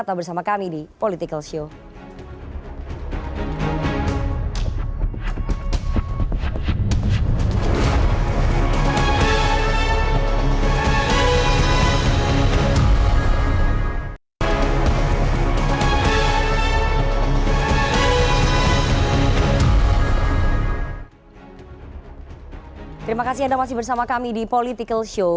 tetap bersama kami di politikalshow